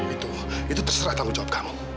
itu itu terserah tanggung jawab kamu